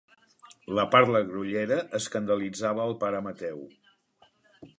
La parla grollera escandalitzava el pare Mateu.